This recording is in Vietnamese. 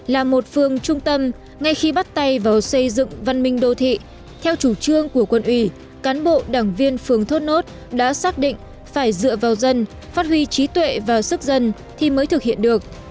là một phương trung tâm ngay khi bắt tay vào xây dựng văn minh đô thị theo chủ trương của quân ủy cán bộ đảng viên phường thốt nốt đã xác định phải dựa vào dân phát huy trí tuệ và sức dân thì mới thực hiện được